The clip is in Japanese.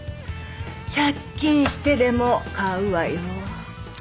借金してでも買うわよ。